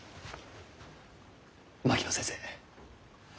槙野先生